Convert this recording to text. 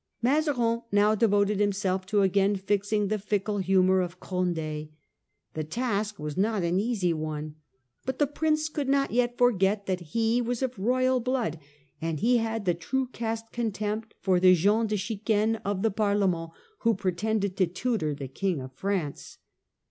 Mazarin now devoted himself to again fixing the fickle humour of Condd The task was not an easy one. But Condi ^e ^ r * nce cou ^ not yet forget that he was of secured by royal blood, and he had the true caste con Mazann. tempt for the ' gens de chicane * of the Parlia ment who pretended to tutor the King of France.